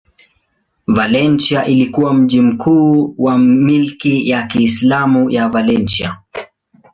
Valencia ilikuwa mji mkuu wa milki ya Kiislamu ya Valencia.